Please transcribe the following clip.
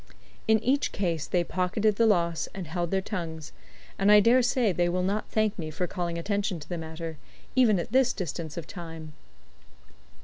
In each case they pocketed the loss and held their tongues, and I dare say they will not thank me for calling attention to the matter, even at this distance of time.